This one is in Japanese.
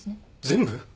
全部？